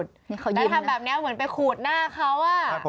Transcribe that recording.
ที่ทำแบบนี้เหมือนไปขูดหน้าเขา